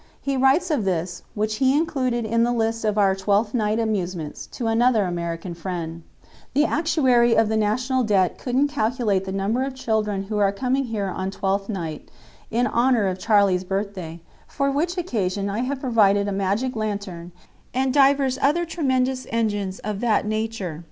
He writes of this, which he included in the list of our Twelfth Night amusements, to another American friend: "The actuary of the national debt couldn't calculate the number of children who are coming here on Twelfth Night, in honor of Charlie's birthday, for which occasion I have provided a magic lantern and divers other tremendous engines of that nature.